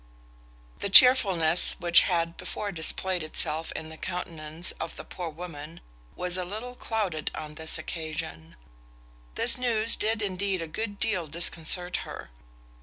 The chearfulness which had before displayed itself in the countenance of the poor woman was a little clouded on this occasion. This news did indeed a good deal disconcert her.